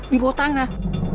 di bawah tanah